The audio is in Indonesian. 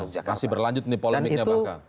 jakarta masih berlanjut nih polemiknya